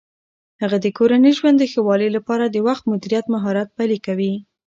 هغه د کورني ژوند د ښه والي لپاره د وخت مدیریت مهارت پلي کوي.